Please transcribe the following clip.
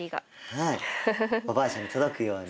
はいおばあちゃんに届くように。